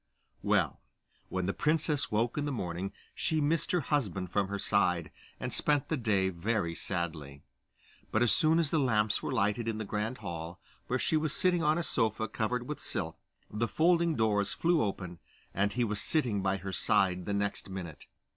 Well, when the princess woke in the morning, she missed her husband from her side, and spent the day very sadly. But as soon as the lamps were lighted in the grand hall, where she was sitting on a sofa covered with silk, the folding doors flew open, and he was sitting by her side the next minute.